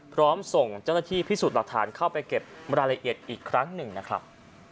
ส่งเจ้าหน้าที่พิสูจน์หลักฐานเข้าไปเก็บรายละเอียดอีกครั้งหนึ่งนะครับ